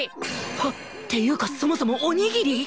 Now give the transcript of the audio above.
はっ！っていうかそもそもおにぎり！？